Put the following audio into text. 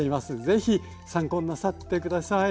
是非参考になさって下さい。